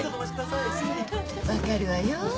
分かるわよ。